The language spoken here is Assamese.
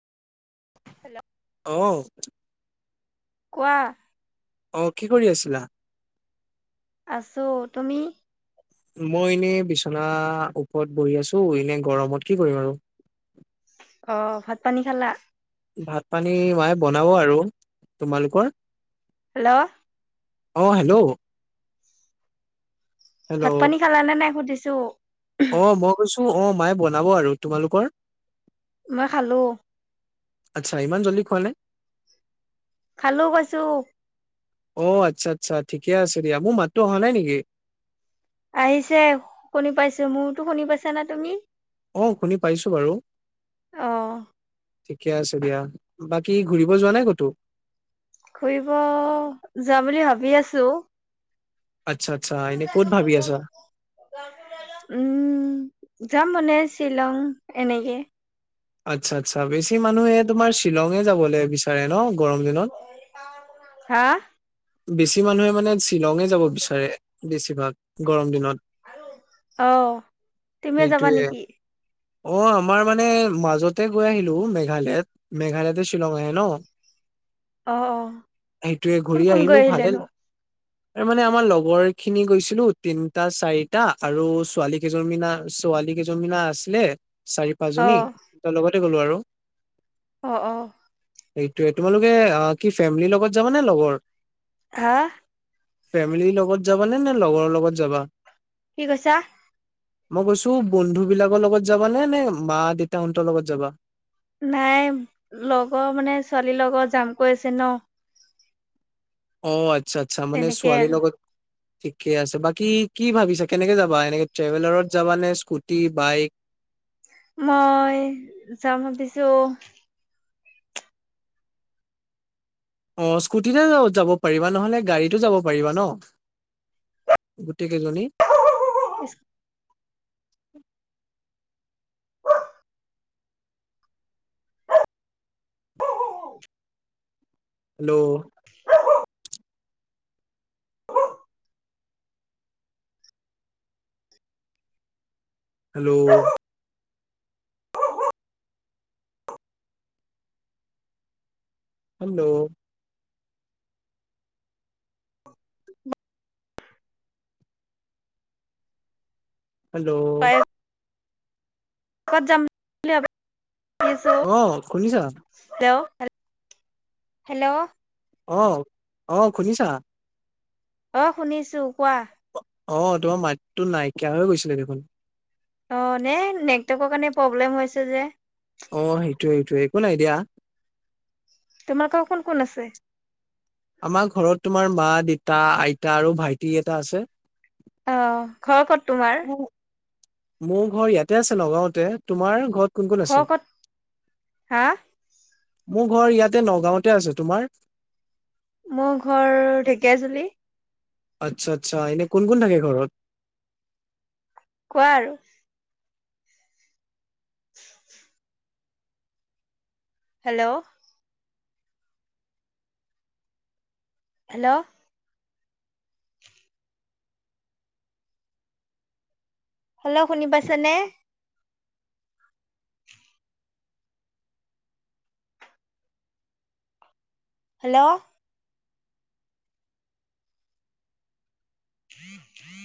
হেল্ল'। আহ [inaudible] কোৱা [unintelligible] [unintelligible] অ কি কৰি আছিলা? [inaudible] আছো তুমি [inaudible] [unintelligible] মই এনেই বিছনা ওপৰত বহি আছো এনে গৰমত কি কৰিম আৰু [unintelligible] [unintelligible] অ ভাত পানী খালা? [inaudible] [unintelligible] ভাত পানী মায়ে বনাব আৰু তোমালোকৰ [inaudible] হেল্ল' [unintelligible] অ হেল্ল' [inaudible] [unintelligible] হেল্ল' ভাত পানী খালানে নাই সুধিছো? [inaudible] [unintelligible] অ মই কৈছো অ মায়ে বনাব আৰু তোমালোকৰ [unintelligible] [unintelligible] মই খালো [inaudible] কলে [unintelligible] [unintelligible] খালো কৈছোঁ। [inaudible] [unintelligible] অ আচ্ছা-আচ্ছা ঠিকে আছে দিয়া মোৰ মাতটো অহা নাই নেকি [inaudible] [unintelligible] আহিছে শুনি পাইছো। মোৰতো শুনি পাইছা না তুমি? [inaudible] [unintelligible] আহ শুনি পাইছো বাৰু অ [inaudible] [unintelligible] ঠিকে আছে দিয়া বাকী ঘুৰিব যোৱা নাই কতো [unintelligible] [unintelligible] ফুৰিব যাম বুলি ভাবি আছো [inaudible] [unintelligible] আচ্ছা-আচ্ছা এনেই কত ভাবি আছ? [inaudible] উম যাম মানে শ্বিলং এনেকে। আচ্ছা-আচ্ছা বেছি মানুহে তোমাৰ শ্বিলঙে যাবলৈ বিচাৰে ন? গৰম দিনত? [unintelligible] হা? বেছি মানুহে মানে শ্বিলঙে যাব বিচাৰে বেছিভাগ গৰম দিনত। অ তুমিও যাবা সেইটোয়ে নেকি? অ আমাৰ মানে মাজতে গৈ আহিলো মেঘালয়ত মেঘালয়তে শ্বিলং আহে ন। অ-অ কোন-কোন [unintelligible] ন ভালে ন মানে আমাৰ লগৰখিনি গৈছিলো তিনিটা চাৰিটা আৰু ছোৱালী কেইজনী মিনা ছোৱালী কেইজনী মান আছিলে অ চাৰি-পাঁচজনী তাৰ লগতে গলো আৰু। অ-অ সেইটোৱেই তোমালোকে অ কি ফেমিলিৰ লগত যাবানে লগৰ? হা? ফেমিলিৰ লগত যাবানে নে লগৰৰ লগত যাবা? কি কৈছা? মই কৈছো বন্ধুবিলাকৰ লগত যাবা নে নে মা দেউতাহঁতৰ লগত যাবা? নাই লগৰ মানে ছোৱালীৰ লগত যাম কৈ আছে ন। অ আচ্ছা-আচ্ছা মানে তেনেকে ছোৱালীৰ আৰু লগত ঠিকে আছে বাকী কি ভাবিছা কেনেকে যাবা এনেকে ট্ৰেভেলাৰত যাবা নে স্কুটি বাইক? মই যাম ভাবিছো অ স্কুটিতে যাব পাৰিবা নহ'লে গাড়ীতো যাব পাৰিবা ন। গোটেই কেইজনী। [unintelligible] [inaudible] Hello hello. হেল্ল'। হেল্ল'। কত যাম বুলি ভাবিছো অ', শুনিছা? অ। হেল্ল'। অহ অহ শুনিছা? অ শুনিছো কোৱা। অ তোমাৰ মাতটো নাইকিয়া হৈ গৈছিলে দেখোন। অ নে নেটৱৰ্কৰ কাৰণে প্ৰব্লেম হৈছে যে। অঁ সেইটোৱে সেইটোৱে একো নাই দিয়া। তোমাকও কোন কোন আছে? আমাৰ ঘৰত তোমাৰ মা দেতা আইতা আৰু ভাইটি এটা আছে। অ ঘৰ ক'ত তোমাৰ? মোৰ মোৰ ঘৰ ইয়াতে আছে নগাঁওতে, তোমাৰ ঘত ঘ কত হা? মোৰ ঘৰ ইয়াতে নগাঁওতে আছে, তোমাৰ? মোৰ ঘৰ ঢেকীয়াজুলি। আচ্ছা আচ্ছা এনে কোন কোন থাকে ঘৰত? কোৱা আৰু। হেল্ল'। হেল্ল'। হেল্ল' শুনি পাইছে নে? হেল্ল'। টিয়েক টিয়েক। [unintelligible]